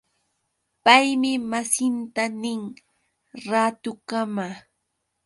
Paymi masinta nin: Raatukama.